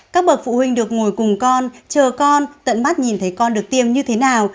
các bậc phụ huynh được ngồi cùng con chờ con tận mắt nhìn thấy con được tiêm như thế nào